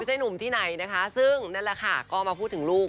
ใช่หนุ่มที่ไหนนะคะซึ่งนั่นแหละค่ะก็มาพูดถึงลูก